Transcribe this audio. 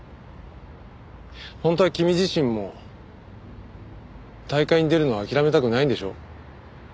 本当は君自身も大会に出るの諦めたくないんでしょ？